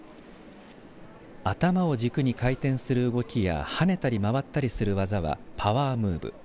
頭を軸に回転する動きや跳ねたり回ったりする技はパワームーブ。